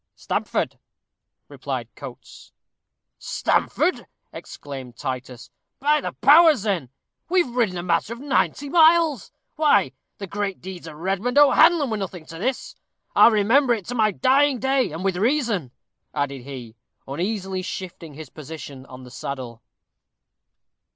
"Stamford," replied Coates. "Stamford!" exclaimed Titus; "by the powers! then we've ridden a matter of ninety miles. Why, the great deeds of Redmond O'Hanlon were nothing to this! I'll remember it to my dying day, and with reason," added he, uneasily shifting his position on the saddle.